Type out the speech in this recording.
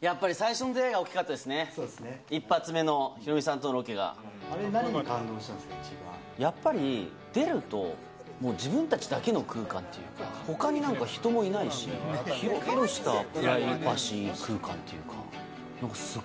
やっぱり最初の出会いが大きかったですね、あれ、何に感動したんですが、やっぱり、出ると、もう自分たちだけの空間というか、ほかになんか人もいないし、広々としたプライバシー空間っていうか。